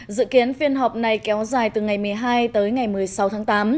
dự kiến phiên họp này kéo dài từ ngày một mươi hai tới ngày một mươi sáu tháng tám